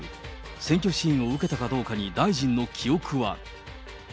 選挙支援を受けたかどうかに大臣の記憶は。